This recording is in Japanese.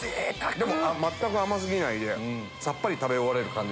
でも全く甘過ぎないでさっぱり食べ終わる感じ